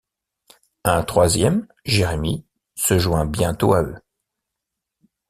Un troisième, Jérémy, se joint bientôt à eux.